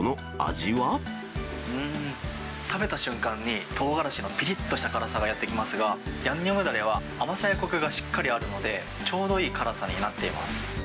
うーん、食べた瞬間にトウガラシのぴりっとした辛さがやって来ますが、ヤンニョムだれは甘さやこくがしっかりあるので、ちょうどいい辛さになっています。